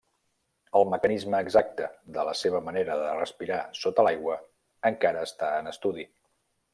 El mecanisme exacte de la seva manera de respirar sota l'aigua encara està en estudi.